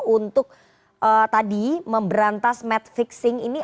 untuk tadi memberantas match fixing ini